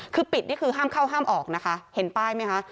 คือปิดนี่คือห้ามเข้าห้ามออกนะคะเห็นป้ายไหมคะ